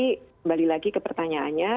kembali lagi ke pertanyaannya